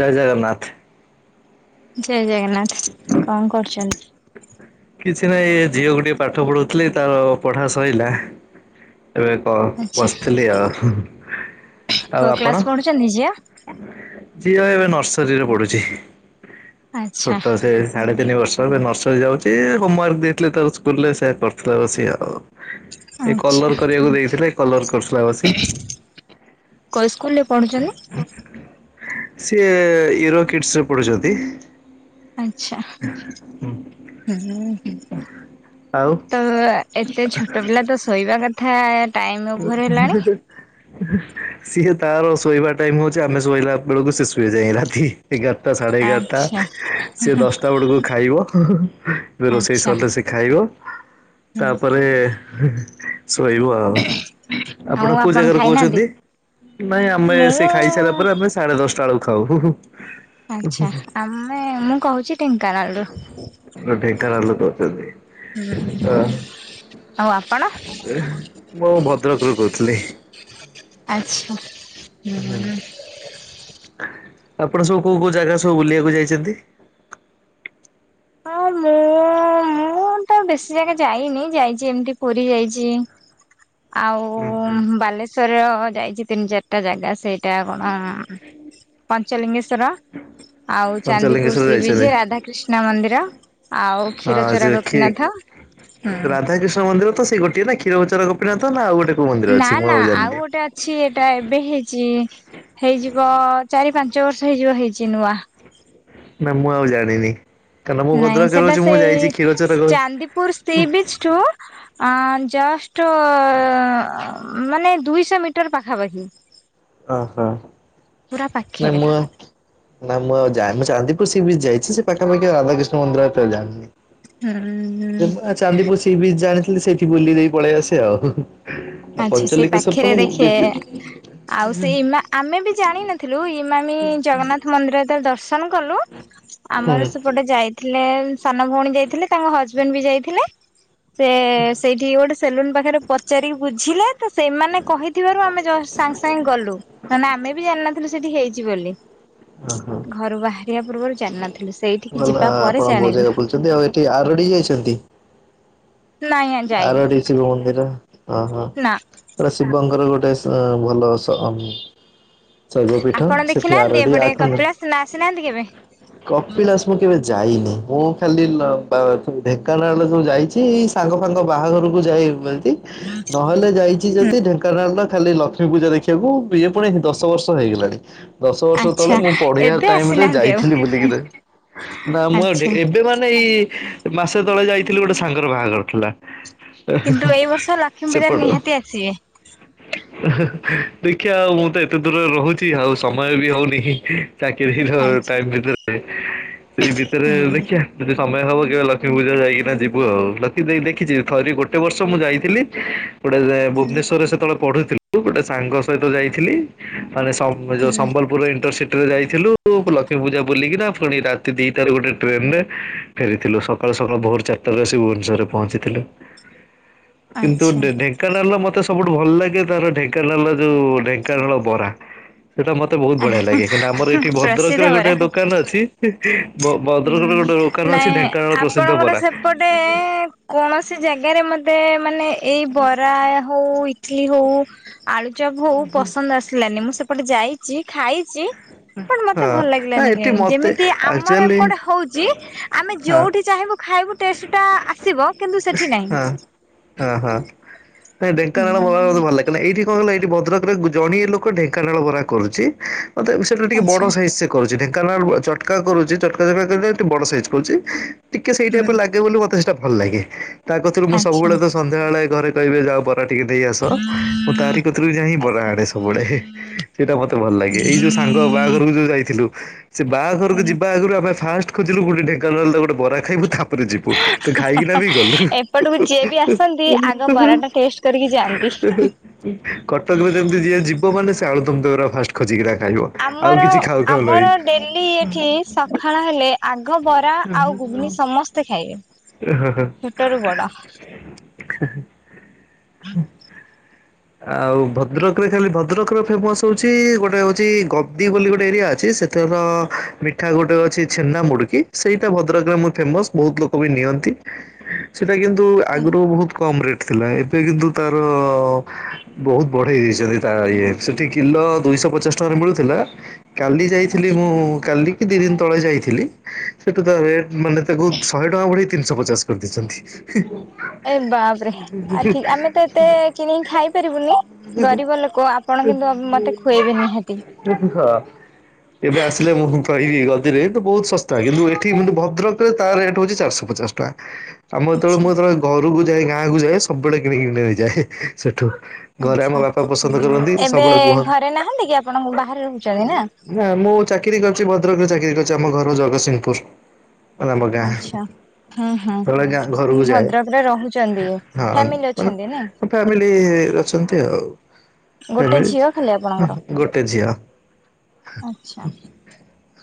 ଜୟ ଜଗନ୍ନାଥ। ଜୟ ଜଗନ୍ନାଥ କଣ କରୁଛନ୍ତି? କିଛି ନାହିଁ ଏ ଝିଅକୁ ଟିକେ ପାଠ ପଢଉଥିଲି ତାର ପଢା ସଇଲା। ଏବେ କଣ ଆଚ୍ଛା ବସିଥିଲି ଆଉ ଆଉ କୋଉ ଆପଣ? କ୍ଲାସ ପଢୁଛନ୍ତି ଝିଅ? [inaudible] ଝିଅ ଏବେ ନର୍ସରୀ ରେ ପଢୁଛି ଆଚ୍ଛା ଛୋଟ ସେ ସାଢେ ତିନି ବର୍ଷ ଏବେ ନର୍ସରୀ ଯାଉଛି ହୋମୱାର୍କ ଦେଇଥିଲେ ତା ସ୍କୁଲ ରେ ସେୟା କରୁଥିଲେ ବସିକି ଆଉ ଏ ଆଚ୍ଛା କଲର କରିବାକୁ ଦେଇଥିଲେ କଲର କରୁଥିଲା ବସି। କୋଉ ସ୍କୁଲରେ ପଢୁଛନ୍ତି? ସିଏ ୟରୋ କିଟସ ରେ ପଢୁଛନ୍ତି। ଆଚ୍ଛା ହୁଁ। ହୁଁ ତ ଏତେ ଛୋଟ ପିଲା ତ ଶୋଇବା କଥା ଟାଇମ ଓଭର ହେଲାଣି। ସିଏ ତାର ଶୋଇବା ଟାଇମ ହଉଛି ଆମେ ଶୋଇଲା ବେଳକୁ ସିଏ ସୁଏ ଯାଇକି ରାତି ଏଗାରଟା ସାଢ଼େ ଏଗାରଟା ଆଚ୍ଛା। ସିଏ ଦଶଟା ବେଳକୁ ଖାଇବ ଏବେ ରୋଷେଇ ଆଚ୍ଛା ସରିଲେ ସିଏ ଖାଇବ। ହୁଁ ତାପରେ ଶୋଇବ ଆଉ। ଆଉ ଆପଣ କୋଉ ଜାଗାରୁ ଖାଇନାହାନ୍ତି? କହୁଛନ୍ତି ନାଇଁ ଆମେ ସେ ଖାଇସାରିଲା ମୁଁ ପରେ ଆମେ ସାଢେ ଦଶ ଟା ବେଳକୁ ଖାଉ। ଆଚ୍ଛା ଆମେ ମୁଁ କହୁଛି ଢେଙ୍କାନାଳରୁୁ। ଢେଙ୍କାନାଳ ଲୋକ ଅଛନ୍ତି ହୁଁ ଆଉ ଆପଣ? ମୁଁ ଭଦ୍ରକରୁୁ କହୁଥିଲି। ଆଚ୍ଛା ହୁଁ। ଆପଣ ସବୁ କୋଉ କୋଉ ଜାଗା ସବୁ ବୁଲିବାକୁ ଯାଇଛନ୍ତି? ହଁ ମୁଁ ମୁଁ ମୁଁ ତ ବେଶୀ ଜାଗା ଯାଇନି ଯାଇଛି ଏମତି ପୁରୀ ଯାଇଛି। ଆଉ ବାଲେଶ୍ଵର ଯାଇଛି ତିନି ଚାରିଟା ଜାଗା ସେ ଟା କଣ ପଞ୍ଚଲିଙ୍ଗେଶ୍ୱର ଶ୍ୱର ଆଉ ଚାନ୍ଦିପୁର ପଞ୍ଚଲିଙ୍ଗେଶ୍ୱର ସିବିଜ ଯାଇଛନ୍ତି ରାଧାକୃଷ୍ଣ ମନ୍ଦିର। ଆଉ ହଁ କ୍ଷୀରଚୋରା ସେଠି ଗୋପୀନାଥ ହୁଁ ରାଧା କୃଷ୍ଣ ମନ୍ଦିର ତ ସେଇ ଗୋଟିଏ ନା କ୍ଷୀରଚୋରା ଗୋପୀନାଥ ନା ଆଉ ଗୋଟେ କୋଉ ମନ୍ଦିର ନା ଅଛି ମୁଁ ନା ଆଉ ଜାଣିନି। ଗୋଟେ ଅଛି ଏଇଟା ଏବେ ହେଇଛି ହେଇଯିବ ଵ ଚାରି ପାଞ୍ଚ ବର୍ଷ ହେଇଯିବ ହେଇଛି ନୂଆ। ନା ମୁଁ ଆଉ ଜାଣିନି। କାରଣ ମୁଁ ନାଇଁ ଭଦ୍ରକରେ ସେଟା ରହୁଛି ମୁଁ ଯାଇଛି ସେଇ କ୍ଷୀରଚୋରା ଗୋ ଚାନ୍ଦିପୁର ସିବିଚ ଠୁ ଜସ୍ ଷ୍ଟ ଦୁଇଶ ମିଟର ପାଖାପାଖି। ଓ ହୋ। ପୁରା ନା ପାଖରେ ମୁଁ ଆଉ ନା ମୁଁ ଆଉ ଯାଇନି ଚାନ୍ଦିପୁର ସି ବିଚ ଯାଇଛି ସେ ପାଖାପଖି ରାଧାକୃଷ୍ଣ ମନ୍ଦିର ହୁଁ ଜାଣିନି। ଚାନ୍ଦିପୁର ସି ବୀଚ ଜାଣିଥିଲି ସେଇଠି ବୁଲି ଦେଇ ପଳେଇ ଆସେ ଆଉ। ଆଉ ଆଚ୍ଛା ସେଇ ପଞ୍ଚଲିଙ୍ଗେଶ୍ୱର ତ ପାଖରେ ମୁଁ ଦି ଦେଖେ ଆଉ ସେଇ ମା ଆମେ ବି ଜାଣିନଥିଲୁ। ରୁ ହିମାମି ଜଗନ୍ନାଥ ମନ୍ଦିର ଯେତଳେ ଦର୍ଶନ କଲୁ ଆମର ହୁଁ ସେପଟେ ଯାଇଥିଲେ ସାନ ଭଉଣୀ ଯାଇଥିଲେ ତାଙ୍କ ହଜବେଣ୍ଡ ବି ଯାଇଥିଲେ ସେ ସେଇଠି ଗୋଟେ ସେଲୁନ୍ ପାଖରେ ପଚାରିକି ବୁଝିଲେ। ତ ସେମାନେ କହିଥିବାରୁ ଆମେ ଜସ ସାଙ୍ଗେ ସାଙ୍ଗେ ଗଲୁ ତାନେ ଆମେ ବି ଜାଣିିନଥିଲୁ ସେଠି ହେଇଛି ବୋଲି ଓହୋ। ଘରୁ ବାହାରିବା ପୂର୍ବରୁ ଜାଣିନଥିଲୁ ସେଇଠିକି ଭଲ ଯିବା ପରେ ଆପଣ ବହୁତ ଜାଣିଲୁ। ଜାଗା ବୁଲିଛନ୍ତି ଆଉ ଏଠି ଆରଡି ଯାଇଛନ୍ତି? ନାଇଁ ଯାଇନି। ଆରଡି ଶିବ ମନ୍ଦିର। ହଁ ହଁ ନା ଏଟା ଶିବଙ୍କର ଗୋଟେ ସ ଭଲ ସମୁ ଶୈବ ପୀଠ ଆପଣ ସେଠି ଦେଖିନାହାନ୍ତି ଆରଡି ଏପଟେ ଆଖଣ୍ଡଳ କପିଳାସ ନା ଆସିନାହାନ୍ତି କେବେ? କପିଳାସ ମୁଁ କେବେ ଯାଇନି। ମୁଁ ଖାଲି ଲ ବା ଢେଙ୍କାନାଳର ସବୁ ଯାଇଛି ସାଙ୍ଗ ଫାଙ୍ଗ ବାହାଘରକୁ ଯାଇ ନହେଲେ ଯାଇଛି ଯଦି ଢେଙ୍କାନାଳର ଖାଲି ଲକ୍ଷ୍ମୀ ପୂଜା ଦେଖିବାକୁ ଇଏ ପୁଣି ଦଶ ବର୍ଷ ହେଇଗଲାଣି। ଦଶ ବର୍ଷ ତଳେ ଆଚ୍ଛା ମୁଁ ପଢିବାର ଏବେ ଟାଇମ୍ ରେ ଆସିନାହାନ୍ତି ଆଉ ଯାଇଥିଲି ବୁଲିକିନା। ନା ମୁଁ ଆଉ ଆଚ୍ଛା। ଏବେ ମାନେ ଏଇ ମାସେ ତଳେ ଯାଇଥିଲି ଗୋଟେ ସାଙ୍ଗର ବାହାଘର ଥିଲା। କିନ୍ତୁ ଏଇ ବର୍ଷ ଲକ୍ଷ୍ମୀ ପୂଜାରେ ସେପଟ। ନିହାତି ଆସିବେ। ଦେଖିବା ଆଉ ମୁଁ ତ ଏତେ ଦୂରରେ ରହୁଛି ଆଉ ସମୟ ବି ହଉନି ଚାକିରି ଆଚ୍ଛା ଟାଇମ୍ ଭିତରେ। ସେଇ ଭିତରେ ହୁଁ ଦେଖିବା ଯଦି ସମୟ ହବ କେବେ ଲକ୍ଷ୍ମୀ ପୂଜା ଯାଇକିନା ଯିବୁ ଆଉ ଲକି ଦେଇ ଦେଖି। କିଛି ଥରି ଗୋଟେ ବର୍ଷ ମୁଁ ଯାଇଥିଲି ଗୋଟେ ଭୁବନେଶ୍ୱରରେ ସେତେବେଳେ ପଢୁଥିଲୁ ଗୋଟେ ସାଙ୍ଗ ସହିତ ଯାଇଥିଲି ମାନେ ସମ୍ବ ଯୋଉ ସମ୍ବଲପୁରର ଇଣ୍ଟରସିପ୍ ଯାଇଥିଲୁ ଲକ୍ଷ୍ମୀ ପୂଜା ବୁଲିକିନା ଫୁଣି ରାତି ଦିଟାରେ ଗୋଟେ ଟ୍ରେନ ରେ ଫେରିଥିଲୁ ସକାଳୁ ସକାଳୁ ଭୋର ଚାରିଟା ରୁ ଆସି ଭୁବନେଶ୍ୱରରେ ପହଞ୍ଚିଥିଲୁ କିନ୍ତୁ ଆଚ୍ଛା। ଢେଙ୍କାନାଳର ମତେ ସବୁଠୁ ଭଲ ଲାଗେ ତାର ଢେଙ୍କାନାଳ ଯୋଉ ଢେଙ୍କାନାଳ ବରା। ସେଇଟା ମତେ ବହୁତ ବଢିଆ ଲାଗେ କାହିଁକି ନା ଆମ ଏଠି ଭଦ୍ରକ ପ୍ରସିଦ୍ଧ ରେ ଗୋଟେ ପରା ଦୋକାନ ଅଛି। ଭ ହୁଁ ଭଦ୍ରକରେ ଗୋଟେ ଦୋକାନ ଅଛି ନାଇଁ ଢେଙ୍କାନାଳ ପ୍ରସିଦ୍ଧ ଆପଣଙ୍କର ବରା। ସେପଟେ କୌଣସି ସେ ଜାଗାରେ ମୋତେ ମାନେ ଏଇ ବରା ହଉ ଇଟଲିି ହଉ ଆଳୁଚପ ହୋଉ ପସନ୍ଦ ଆସିଲାନି ମୁଁ ସେପଟେ ଯାଇଛି ଖାଇଛି। ବଟ୍ ମତେ ହଁ ଭଲ ନା ଲାଗିଲାନି ଏଠି କାହିଁକି ମତେ ଯେମିତି ଆମର ଏପ ଆକ୍ଚୁଆଲି ହଉଛି ଆମେ ହଁ ଯୋଉଠି ଚାହିଁବୁ ଖାଇବୁ ଟେଷ୍ଟ ଟା ଆସିବ। କିନ୍ତୁ ସେଠି ନାହିଁ। ହଁ ହଁ ହଁ ନାଇଁ ଢେଙ୍କାନାଳ ବରା ମତେ ହୁଁ ଭଲ ଲାଗେ କାରଣ ଏଇଠି କଣ ନା ଏଇଠି ଭଦ୍ରକରେ ଜଣିଏ ଲୋକ ଢେଙ୍କାନାଳ ବରା କରୁଛି। ତଥାପି ସେଟା ଟିକେ ବଡ଼ ଆଚ୍ଛା ସାଇଜ୍ ସିଏ କରୁଛି ଢ଼େଙ୍କା କାରଣ ଚଟକା କରୁଛି ଚଟକା ଯାକ ଟିକେ ବଡ ସାଇଜ୍ କରୁଛି ଟିକେ ସେଇ ହୁଁ ଟାଇପରେ ଲାଗେ ବୋଲି ମତେ ସେଟା ଭଲ ଲାଗେ। ତା କତିରୁ ମୁଁ ଆଚ୍ଛା ସବୁବେଳେ ତ ସନ୍ଧ୍ୟାବେଳେ ଘରେ କହିବେ ଯା ବରା ଟିକେ ନେଇ ଆସ ମୁଁ ତାରି କତିରୁ ବି ଯାଇଁ ବରା ଆଚ୍ଛା ଆଣେ ସବୁବେଳେ ସେଇଟା ମତେ ଭଲ ଲାଗେ ଏଇ ଯୋଉ ସାଙ୍ଗ ବାହାଘରକୁ ଯୋଉ ଯାଇଥିଲୁ। ସେ ବାହାଘରକୁ ଆଜ୍ଞା। ଯିବା ଆଗରୁ ଆମେ ଫାଷ୍ଟ୍ ଖୋଜିଲୁ ଗୋଟେ ଢେଙ୍କାନାଳର ଗୋଟେ ବରା ଖାଇବୁ ତା ପରେ ଯିବୁ ତ ଖାଇକିନା ବି [unintelligible] ଏପଟକୁ ଯିଏ ବି ଆସନ୍ତି ମୁଁ ଆଗ ବରାଟା ଟେଷ୍ଟ କରିକି ଯାଆନ୍ତି। ଯେମତି ଯିଏ ଯିବ ମାନେ ସେ ଆଳୁ ଦମ ଦହିବରା ଫାଷ୍ଟ ଖୋଜିକିନା ଖାଇବ। ଆଉ ଆମର କିଛି ଖାଉ ଖାଉ ନାହିଁ। ଆମର ଡେଲି ଏଠି ସକାଳ ହେଲେ ଆଗ ବରା ଆଉ ଘୁଘୁନି ସମସ୍ତେ ଖାଇବେ। ଛୋଟରୁ ବଡ। [inaudible] ଆଉ ଭଦ୍ରକରେ ଖାଲି ଭଦ୍ରକର ଫେମସ ହଉଛି ଗୋଟେ ହଉଛି ଗବଦି ବୋଲି ଗୋଟେ ଏରିଆ ଅଛି। ସେଥେର ମିଠା ଗୋଟେ ଅଛି ଛେନା ମୁଡୁକି ସେଇଟା ଭଦ୍ରକରେ ମୋର ଫେମସ୍ ବହୁତ ଲୋକ ବି ନିଅନ୍ତି। ନ୍ତି ସେଟା କିନ୍ତୁ ଆଗୁରୁ ବୋହୁତ କମ୍ ରେଟ୍ ଥିଲା ଏବେ କିନ୍ତୁ ତାର ବହୁତ ବଢ଼େଇ ଦେଇଚନ୍ତି ତା ଇଏ ସେଠି କିଲ ଦୁଇଶ ପଚାଶ ଟଙ୍କାରେ ମିଳୁଥିଲା। କାଲି ଯାଇଥିଲି ମୁଁ କାଲି ଦି ଦିନ ତଳେ ଯାଇଥିଲି ସେଠୁ ତା ରେଟ୍ ମାନେ ତାକୁ ଶହେ ଟଙ୍କା ବଢ଼େଇ ତିନିଶ ପଚାଶ କରିଦେଇଚନ୍ତି। ହି ଏ ବାପରେ ଆ ଠି ଆମେ ତ ଏତେ କିଣିକି ଖାଇପାରିବୁନି। ଗରିବ ଲୋକ ଆପଣ କିନ୍ତୁ ମତେ ଖୁଏଇବେ ନିହାତି। ଏବେ ଆସିଲେ ମୁଁ କଁ କହି ଏଇ ଗଦିରେ ତ ବହୁତ ଶସ୍ତା କିନ୍ତୁ ଏଠି କିନ୍ତୁ ଭଦ୍ରକରେ ତା ରେଟ୍ ହଉଚି ଚାରିଶ ପଚାଶ ଟଙ୍କା। ଆମ ଯେତଳେ ଆଛା ମୁଁ ଯେତଳେ ଘରୁକୁ ଯାଏ ଗାଁକୁ ଯାଏ ସବୁବେଳେ କିଣିକିରି ନେଇଯାଏ ସେଠୁ। ଘରେ ଆମ ଆଚ୍ଛା ବାପା ପସନ୍ଦ ଉଁ କରନ୍ତି ଏବେ ସବୁବେଳେ କୁହ ଘରେ ନାହାନ୍ତି କି ଆପଣ ବାହାରେ ରହୁଚନ୍ତି ନାଁ? ନାଁ ମୁଁ ଚାକିରି କରିଚି ଭଦ୍ରକରେ ଚାକିରି କରିଚି ଆମ ଘର ଜଗତସିଂହପୁର। ଆଲା ମୋ ଗାଁ। ଆଛା ହୁଁ ହୁଁ ଗଲେ ଆଗିଆଁ ଘରୁକୁ ଯାଏ ଭଦ୍ରକରେ ରହୁଛନ୍ତି। ହଁ ଫ୍ୟାମିଲି ମାନେ ଅଛନ୍ତି ନାଇଁ ଫ୍ୟାମିଲି ଇଏ ଅଛନ୍ତି ଆଉ ଗୋଟେ ଏବେ ଝିଅ ଅଁ ଗୋଟେ ଝିଅ। ଆଚ୍ଛା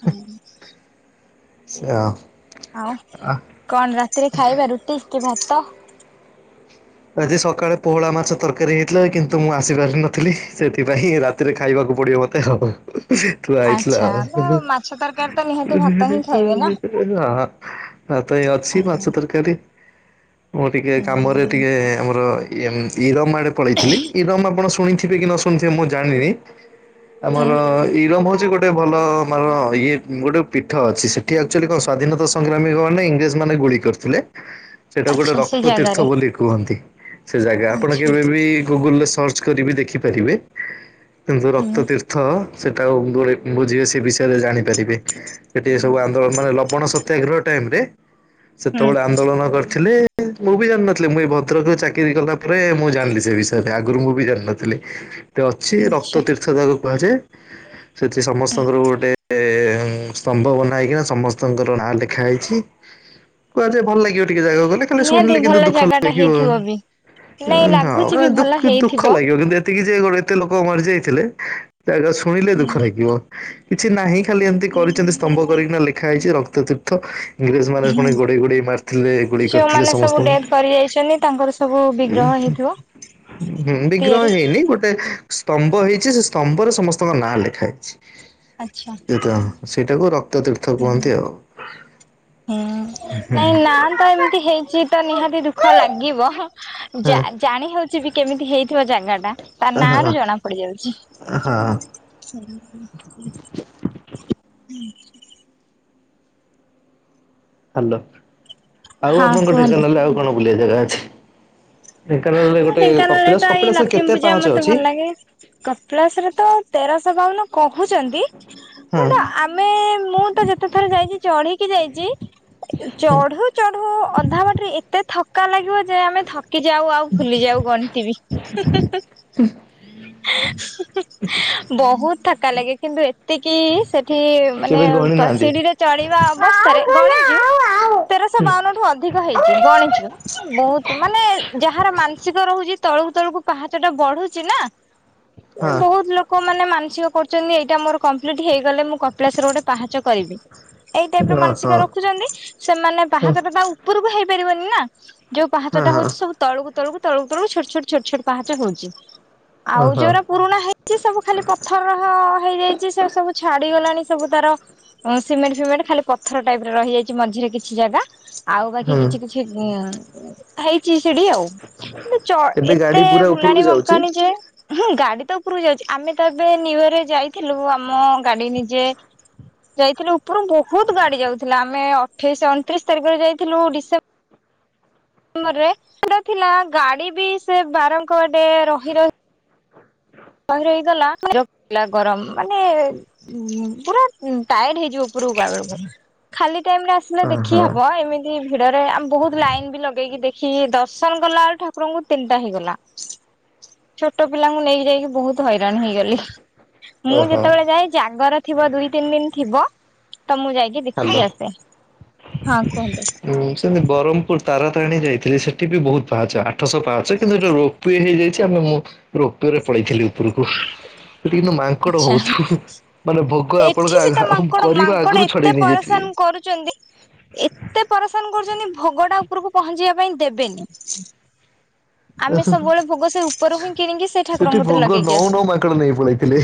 ହୁଁ। ଚା ଆଉ କଣ ରାତିରେ ଖାଇବା ରୁଟି କି ଭାତ? ଆଜି ସକାଳେ ପୋହଳା ମାଛ ତରକାରୀ ହେଇଥିଲା କିନ୍ତୁ ମୁଁ ଆସି ପାରିନଥିଲି ସେଥିପାଇଁ ରାତିରେ ଖାଇବା ଉ ପଡ଼ିବ ମତେ ହଅ। ତୁ ଆଇଥିଲ ଆଚ୍ଛା ତ ମାଛ ତରକାରୀ ତ ନିହାତି ଉଁ ଭାତ ହିଁ ସେଇ ଖାଇବେ ନା? ନିତି ବୁଲ। ଆଉ ତ ଏ ଅଛି ହୁଁ ମାଛ ତରକାରୀ। ମୁଁ ଟିକେ କାମରେ ଟିକେ ଆମର ଇମ୍ ଇରମ୍ ଆଡ଼େ ପଳେଇଥିଲି ଇରମ ଆପଣ ଶୁ ଶୁଣିଥିବେ କି ନ ଶୁଣିଥିବେ ମୁଁ ଜାଣିନି ହୁଁ ଆମର ଇରମ୍ ହଉଚି ଗ ଟେ ଭଲ ମାନର ଇଏ ଗୋଟେ ପୀଠ ଅଛି ସେଠି ଆକ୍ଚୁଆଲି କଁ ସ୍ଵାଧୀନତା ସଂଗ୍ରାମୀମାନେ ଇଂରେଜମାନେ ଗୁଳି କରିଥିଲେ। ସେଇଟା ଗୋଟେ ଆଚ୍ଛା ସେ ରକ୍ତ ତୀର୍ଥ ଜାଗାରେ ବୋଲି କୁହନ୍ତି ସେ ଜାଗା ଆପଣ ଆଚ୍ଛା କେବେ ବି ଗୁଗୁଲ୍ ରେ ସ ସର୍ଚ୍ଚ କରି ବି ଦେଖିପାରିବେ କିନ୍ତୁ ରକ୍ତ ହୁଁ। ତୀର୍ଥ ସେଟା ଆଉ ଗୁଳି ବୁଝିବେ ସେ ବିଷୟରେ ଜାଣିପାରିବେ ଏଠି ତାକୁ ଆନ୍ଦୋଳନରେ ଲବଣ ସତ୍ୟାଗ୍ରହ ଟାଇମ୍ ରେ ହୁଁ। ସେତୋଳେ ଆନ୍ଦୋଳନ କରିଥିଲେ। ଏ ମୁଁ ବି ଜାଣିନ ଥିଲି ମୁଁ ଏଇ ଭଦ୍ରକରେ ଚାକିରି କଲା ପରେ ମୁଁ ଜାଣିଲି ସେ ବିଷୟରେ ଆଗୁରୁ ମୁଁ ବି ଜାଣିନଥିଲି। ଟେ ଅଛି ରକ୍ତ ଆଚ୍ଛା। ତୀର୍ଥ ଯାହାକୁ କୁହାଯାଏ ସେଠି ସମସ୍ତଙ୍କର ଗୋଟେ ଏ ଉଁ ସ୍ତମ୍ବ ବନାହେଇକିନା ସମସ୍ତଙ୍କର ନାଁ ଲେଖା ହେଇଚି କୁହାଯାଏ ଭଲ ଲାଗିବ। ଟିକେ ଜାଗାକୁ ଗଲି ଖାଲି ନିହାତି ଶୁଣିଲି କିନ୍ତୁ ଭଲ ଦୁଃଖ ଜାଗା ଟା ଲାଗିବ ହେଇଥିବ ବି ନାଇଁ ଅଁ ଥାଉ ଲାଗୁଛି ଆଲା ବି ଦୁଃଖ ଭଲ ଦୁଃଖ ହେଇଥିବ। ଲାଗିବ କିନ୍ତୁ ଏତିକି ଯେ ଗୋଟେ ଏତେ ଲୋକ ମରିଯାଇଥିଲେ ଜାଗା ଶୁଣିଲେ ହୁଁ ଦୁଃଖ ଲାଗିବ କିଛି ନାହିଁ ଖାଲି ଏମତି କରିଚନ୍ତି ସ୍ତମ୍ଭ କରିକିନା ଲେଖା ହେଇଚି ରକ୍ତ ତୀର୍ଥ। ଇଂରେଜମାନେ ପୁଣି ହୁଁ। ଗୋଡ଼େଇ ଗୋଡ଼େଇ ମାରିଥିଲେ ଗୁଳି କରିଥିଲେ ଯୋଉମାନେ ସବୁ ସମସ୍ତଙ୍କୁ। ଡେଥ୍ କରି ଯାଇଛନ୍ତି ତାଙ୍କର ସବୁ ଉଁ ବିଗ୍ରହ ହେଇଥିବ ହୁଁ ହୁଁ ବିଗ୍ରହ ତିଆରି। ହେଇନି ଗୋଟେ ସ୍ତମ୍ବ ହେଇଚି ସେ ସ୍ତମ୍ବରେ ସମସ୍ତଙ୍କ ନାଁ ଲେଖା ହେଇଚି। ଆଚ୍ଛା ଏ ତ ସେଇଟାକୁ ରକ୍ତ ତୀର୍ଥ ହୁଁ। କୁହନ୍ତି ଆଉ। ହୁଁ ନାଇଁ ନାଁଟା ତ ଏମିତି ହେଇଚି ତ ନିହାତି ଦୁଃଖ ଲାଗିବ। ଜା ହଁ ଜାଣି ହେଉଚି ବି କେମିତି ହେଇ ଥିବା ଜାଗାଟା ତା ହଁ ନାଁରୁ ଜଣାପଡ଼ି ଯାଉଚି। ହଁ ସରତେ ଆଚ୍ଛା। ହାଲୋ ଆଉ ହଁ ଆପଣଙ୍କ କୁହନ୍ତୁ। ଢେଙ୍କାନାଳରେ ଆଉ କଣ ବୁଲିବା ଜାଗା ଅଛି? ଢେଙ୍କାନାଳରେ ହଁ ଗୋଟେ ଢେଙ୍କାନାଳରେ ତ କପିଳାସ ଏଇ କପିଳାସରେ ଲକ୍ଷ୍ମୀ କେତେ ପୂଜା ପାହାଚ ମତେ ଭଲ ଅଛି? ଲାଗେ। କପିଳାସରେ ତ ତେରଶହ ବାଉନ କହୁଛନ୍ତି ମାନେ ହଁ। ଆମେ ମୁଁ ତ ଯେତେ ଥର ଯାଇଛି ଚଢ଼ିକି ଯାଇ ଚି ଚଢୁ ଚଢୁ ଅଧା ବାଟ ରେ ଏତେ ଥକା ଲାଗିବ ଯେ ଆମେ ଥକି ଯାଉ ଆଉ ଭୁଲି ଯାଉ ଗଣିଥିବି ହୁଁ ହୁଁ ହୁଁ ହୁଁ। ହୁଁ ବହୁତ ଥକା ଲାଗେ କିନ୍ତୁ ଏତିକି ସେ ଏଠି ମାନେ କେବେ ଗଣି ପା ନାହାନ୍ତି? ସିଢିରେ ଚଢିବା ହଁ ଅବସ୍ଥାରେ ହଁ ଗଣିଛୁ। ହଁ ତେରଶହ ବାଉନ ଠୁ ଅଧିକ ହେଇଛି ଗଣିଚୁ ବହୁତ ମାନେ ଯା କାହାର ମାନସିକ ରହୁଛି ତଳକୁ ତଳକୁ ପାହାଚ ଟା ବଢୁଛି ନା ଏ ହଁ ବହୁତ ଲୋକ ମାନେ ମାନସିକ କରୁଛନ୍ତି ଏଇଟା ମୋର କମ୍ପ୍ଲିଟ ହେଇଗଲେ ମୁଁ କପିଳାସ ରେ ଗୋଟେ ପାହାଚ କରିବି। ଏଇ ଟାଇପର ମାନସିକ ରଖୁଛନ୍ତି ସେମାନେ ପାହାଡ ତ ଟା ଆଉ ଉପୁରକୁ ହେଇପାରିବନି ନା। ଯୋଉ ହଁ ପାହାଚଟା ହଁ। ହଉଚି ସବୁ ତଳକୁ ତଳକୁ ତଳକୁ ତଳକୁ ଛୋଟ ଛୋଟ ଛୋଟ ଛୋଟ ପାହାଚ ହଉଛି। ଆଉ ଓହୋ ଯୋଉଗୁରା ପୁରୁଣା ହେଇଛି ସବୁ ଖାଲି ପଥର ହ। ହେଇଯାଇଛି ସେ ସବୁ ଛାଡିଗଲାଣି ସବୁ ତାର। ଅଁ ସିମେଣ୍ଟ ଫିମେଣ୍ଟ ଖାଲି ପଥର ଟାଇପର ରହିଯାଇଛି ମଝିରେ କିଛି ଜାଗା। ଆଉ ବାକି ହୁଁ କିଛି କିଛି ଏଁ ଉଁ ହେଇଛି ସେଠି ଆଉ କିନ୍ତୁ ଚ ଏବେ ଏତେ ଗାଡି ପୁରା ଉପରକୁ ବୁଲାଣି ଯାଉଛି? ବଙ୍କାଣି ଯେ। ହୁଁ ଗାଡି ତ ଉପରକୁ ଯାଉଛି ଆମେ ତ ଏବେ ନିୟୁ ଇୟରରେ ଯାଇଥିଲୁ ଆମ ଗାଡି ନିଜେ। ଯାଇଥିଲି ଉପରୁ ବହୁତ ଗାଡି ଯାଉଥିଲା ଆମେ ଅଠେଇଶ ଅଣତିରିଶ ତାରିଖରେ ଯାଇଥିଲୁ ଡିସେ ହୁ ଙ୍ଗରେ ତ ଥିଲା ଗାଡି ବି ସେ ବାରଙ୍କ ଆଡ଼େ ରହି ର ରହି ରହି ଗଲା ମାନେ ବିରକ ଲା ଗରମ ମାନେ ଉଁ ପୁରା ଉଁ ଟାଏଡ ହେଇଯିବ ପୁ ଉପରୁକୁ ଗଲା ବେଳକୁ ଖାଲି ଟାଇମ ରେ ଆସିଲେ ଦେଖି ଓହୋ ହବ ଏମିତି ଭିଡରେ ଆମେ ବହୁତ ଲାଇନ ବି ଲଗେଇକି ଦେ ହି ଦର୍ଶନ କଲା ବେଳୁ ଠାକୁରଙ୍କୁ ତିନିଟା ହେଇଗଲା ଛୋଟ ପିଲାଙ୍କୁ ନେଇକି ଯାଇକି ତ ହଇରାଣ ହେଇଗଲି ମୁଁ ଓହୋ ଯେତେବେଳେ ଯାଏ ଜାଗର ଥିବ ଦୁଇ ତିନି ଦିନ ଥିବ। ତ ମୁଁ ଯାଇକି ଦେଖିକି ହାଲୋ। ଆସେ ହଁ କୁହନ୍ତୁ। ହୁଁ ସେମିତି ବ୍ରହ୍ମପୁର ତାରାତାରଣୀ ଯାଇଥିଲି ସେଠି ବି ବହୁତ ପାହାଚ ଆଠଶହ ପାହାଚେ କିନ୍ତୁ ଏଠି ରୋପ ୱେ ହେଇଯାଇଛି ଆମେ ମୁଁ ରୋପ ୱେ ରେ ପଳେଇଥିଲି ଉପରୁକୁ। ସେଠି କିନ୍ତୁ ମାଙ୍କଡ଼ ଆଛା ବହୁତ୍ ହୁଁ ହୁଁ ମାନେ ଭୋଗ ଆପଣଙ୍କ ଏଠି ବି ତ ଆଘା ହୁଁ ମାଙ୍କଡ କରିବା ମାଙ୍କଡ ଆଗରୁ ଏତେ ଛଡେଇ ନେଇଯାଇଥିବେ। ପରେଶାନ କରୁଛନ୍ତି ଏତେ ପରସ ପରେସାନ କରୁଛନ୍ତି ଭୋଗଟା ଉପରକୁ ପହଞ୍ଚିବା ପାଇଁ ଦେବେନି। ଅ ଆମେ ହ ସବୁବେଳେ ଭୋଗ ସେ ଉପରୁ ହ ହିଁ କିଣିକି ସେ ସେଠି ଠାକୁରଙ୍କ କତିରେ ଭୋଗ ଲଗେଇକି ନଉ ଆସୁ। ନଉ ମାଙ୍କଡ ନେଇ ପଳେଇଥିଲେ।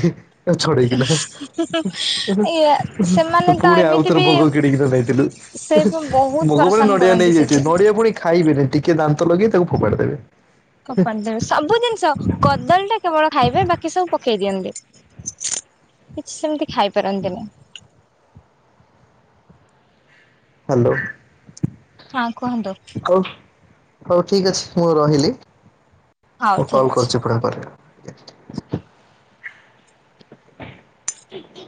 ଛଡେଇିକିନା ହୁଁ ଉଁ ଏଇଆ ହୁଁ ସେମାନେ ହୁଁ ତ ପୁଣି ଏମିତି ଆଉଥରେ ବି ଭୋଗ କିଣିକିନା ନେଇଥିଲୁ। ସେ ଉଁ ବହୁତ ହୁଁ ଭୋଗ କଣ ପରେଶାନ ନଡିଆ କରନ୍ତି ନେଇ ଯାଇଥିଲ ସେଠି। ନଡିଆ ପୁଣି ଖାଇବେନି ଟିକେ ଦାନ୍ତ ଲଗେଇ ତାକୁ ଫୋପାଡ଼ି ଦେବେ। ଖୋପାଡଦେବେ ସବୁ ଜିନିଷ କଦଳୀ ଟା କେବଳ ଖାଇବେ ବାକି ସବୁ ପ ପକେଇ ଦିଅନ୍ତି କିଛି ସେମିତି ଖାଇ ପାରନ୍ତିନି। ହାଲୋ। ହଁ କୁହନ୍ତୁ। ହଉ ଠିକ ଅଛି ମୁଁ ରହିଲି ହଉ ମୁଁ ଠିକ କଲ ଅଛି। କରୁଛି ପୁଣି ୟା ପରେ। ଟି